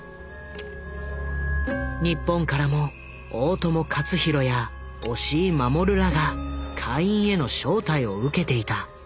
日本からも大友克洋や押井守らが会員への招待を受けていた。